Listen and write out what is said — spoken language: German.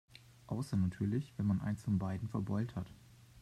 Außer natürlich, wenn man eins von beiden verbeult hat.